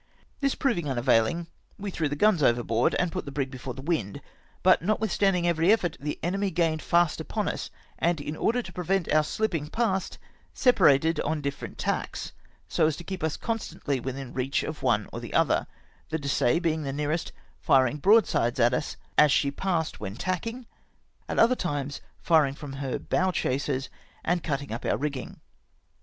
This proving un availing, we threw the guns overboard, and put the brig before the wind; but notwithstanding every effort, the enemy gained fast upon us, and, in order to prevent our shpping past, separated on difierent tacks, so as to keep us constantly within reach of one or the other ; the Dessaix, being nearest, firing broadsides at us as she passed when tacking, at other times firing from her bow chasers, and cutting up our rigging.